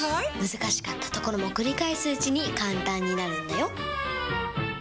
難しかったところも繰り返すうちに簡単になるんだよ！